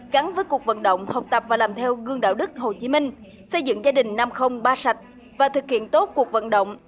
gắn với cuộc vận động học tập và làm theo gương đạo đức hồ chí minh xây dựng gia đình năm trăm linh ba sạch và thực hiện tốt cuộc vận động